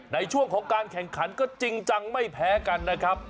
ในช่วงของการแข่งขันก็จริงจังไม่แพ้กันนะครับ